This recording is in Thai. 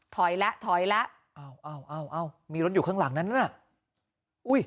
ถอยแล้วถอยแล้วอ้าวอ้าวอ้าวอ้าวมีรถอยู่ข้างหลังนั้นน่ะอุ้ย